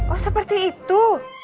oh seperti itu